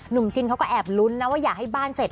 ชินเขาก็แอบลุ้นนะว่าอยากให้บ้านเสร็จ